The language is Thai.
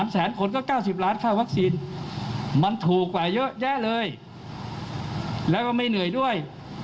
แสนคนก็๙๐ล้านค่าวัคซีนมันถูกกว่าเยอะแยะเลยแล้วก็ไม่เหนื่อยด้วย